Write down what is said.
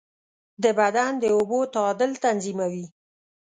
د بدن د اوبو تعادل تنظیموي.